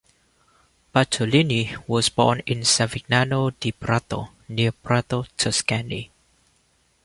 Bartolini was born in Savignano di Prato, near Prato, Tuscany.